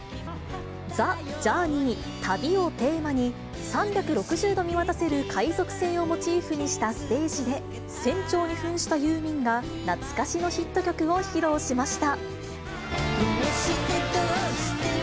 ＴｈｅＪｏｕｒｎｅｙ・旅をテーマに、３６０度見渡せる海賊船をモチーフにしたステージで、船長にふんしたユーミンが、懐かしのヒット曲を披露しました。